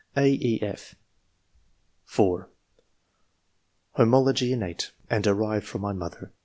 (a, e,/) (4) *^ Homology innate, and derived from my mother.